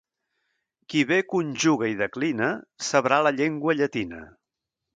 Qui bé conjuga i declina, sabrà la llengua llatina.